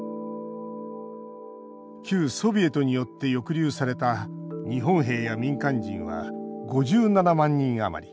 旧ソビエトによって抑留された日本兵や民間人は５７万人余り。